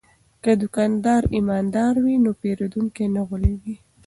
که دوکاندار ایماندار وي نو پیرودونکی نه غولیږي.